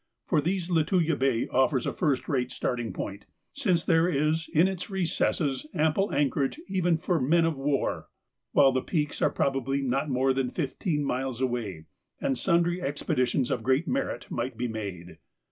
For these Lituya Bay offers a first rate starting point, since there is in its recesses ample anchorage even for men of war, while the peaks are probably not more than fifteen miles away, and sundry expeditions of great merit might be made.